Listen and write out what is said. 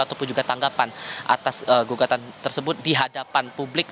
ataupun juga tanggapan atas gugatan tersebut di hadapan publik